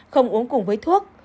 không uống cùng với thuốc